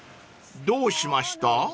［どうしました？］